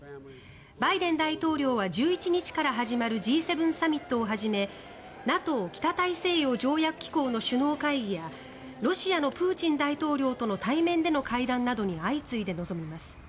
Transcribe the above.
バイデン大統領は１１日から始まるＧ７サミットをはじめＮＡＴＯ・北大西洋条約機構の首脳会議やロシアのプーチン大統領との対面での会談などに相次いで臨みます。